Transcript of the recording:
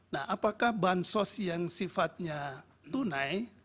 nah apakah bansos yang sifatnya tunai